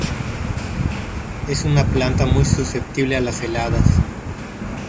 Es una planta muy susceptible a las heladas.